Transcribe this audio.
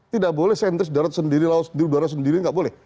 tidak boleh sentris darat sendiri laut di udara sendiri nggak boleh